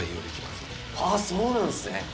「ああそうなんですね。